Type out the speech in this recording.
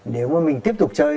nếu mà mình tiếp tục chơi